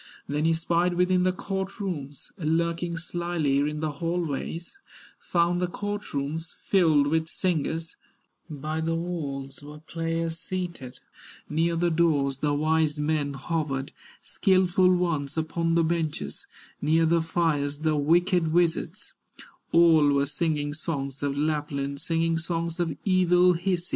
Then he spied within the court rooms, Lurking slyly in the hall ways, Found the court rooms filled with singers, By the walls were players seated, Near the doors the wise men hovered, Skilful ones upon the benches, Near the fires the wicked wizards; All were singing songs of Lapland, Singing songs of evil Hisi.